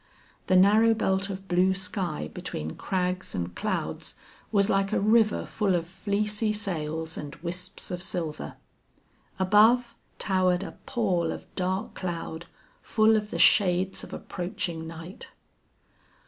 The narrow belt of blue sky between crags and clouds was like a river full of fleecy sails and wisps of silver. Above towered a pall of dark cloud, full of the shades of approaching night.